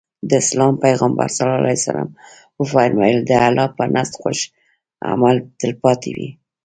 د اسلام پيغمبر ص وفرمايل د الله په نزد خوښ عمل تلپاتې وي.